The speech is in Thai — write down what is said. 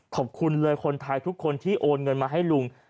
ขอบคุณเลยคนไทยทุกคนที่โอนเงินมาให้ลุง